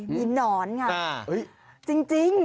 มีหนอนไงจริง